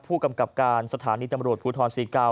ผู้กำกับการสถานีตำรวจภูทร๔๙